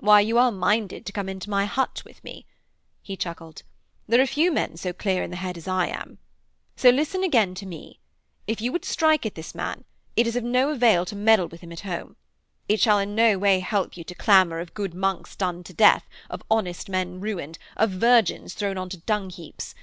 'Why, you are minded to come into my hut with me,' he chuckled. 'There are few men so clear in the head as I am. So listen again to me. If you would strike at this man, it is of no avail to meddle with him at home. It shall in no way help you to clamour of good monks done to death, of honest men ruined, of virgins thrown on to dung heaps.